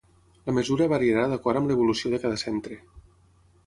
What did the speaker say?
La mesura variarà d’acord amb l’evolució de cada centre.